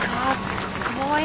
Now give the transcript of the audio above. すごい。